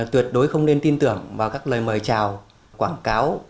tuyệt đối không nên tin tưởng vào các lời mời chào quảng cáo